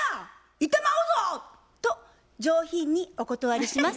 いてまうぞ！と上品にお断りします。